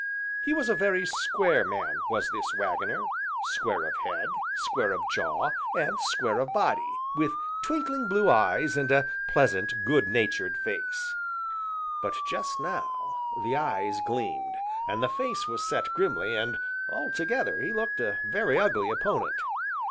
He was a very square man, was this Waggoner, square of head, square of jaw, and square of body, with twinkling blue eyes, and a pleasant, good natured face; but, just now, the eyes gleamed, and the face was set grimly, and, altogether, he looked a very ugly opponent.